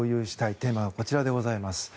テーマがこちらでございます。